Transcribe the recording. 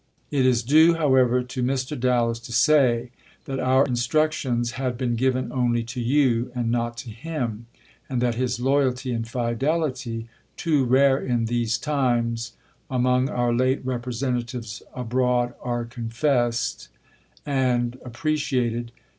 It is due however to Mr. Dallas to say that our instruc tions had been given only to you and not to him, and that his loyalty and fidelity, too rare in these times [among our late representatives abroad are confessed and], are appreciated.